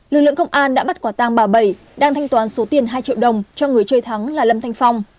lực lượng công an đã bắt quả tang bà bảy đang thanh toán số tiền hai triệu đồng cho người chơi thắng là lâm thanh phong